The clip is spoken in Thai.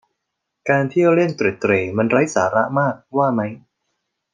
การเที่ยวเล่นเตร็ดเตร่มันไร้สาระมากว่าไหม